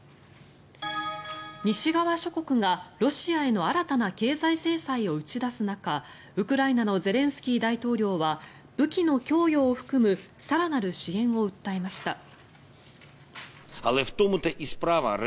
西側諸国がロシアへの新たな経済制裁を打ち出す中ウクライナのゼレンスキー大統領は武器の供与を含む更なる支援を訴えました。